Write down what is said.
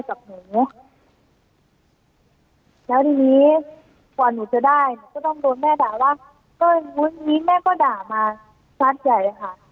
อะไรกับหนูแล้วทีนี้ก่อนหนูจะได้ก็ต้องโดนแม่ด่าว่าแม่ก็ด่ามาซัดใจค่ะ